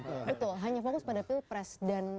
betul hanya fokus pada pilpres dan